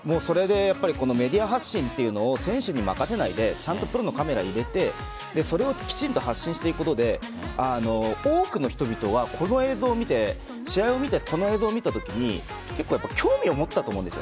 メディア発信というのを選手に任せないでちゃんとプロのカメラを入れてそれをきちんと発信していくことで多くの人々はこの映像を見て、試合を見てこの映像を見たときに興味を持ったと思うんです。